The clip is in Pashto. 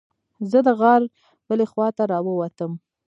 زه د غار بلې خوا ته راووتلم.